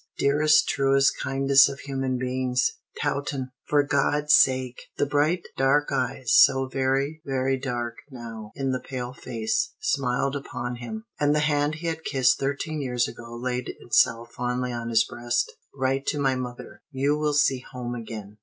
Dearest, truest, kindest of human beings! Taunton! For God's sake!" The bright, dark eyes so very, very dark, now, in the pale face smiled upon him; and the hand he had kissed thirteen years ago laid itself fondly on his breast. "Write to my mother. You will see home again.